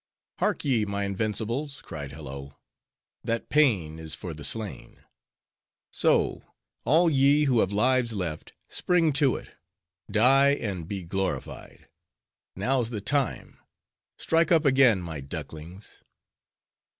"Hark ye, my invincibles!" cried Hello. "That pean is for the slain. So all ye who have lives left, spring to it! Die and be glorified! Now's the time!—Strike up again, my ducklings!"